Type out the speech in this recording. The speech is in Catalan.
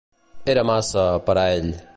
Era massa per a ell.